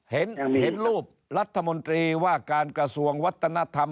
เห็นรูปรัฐมนตรีว่าการกระทรวงวัฒนธรรม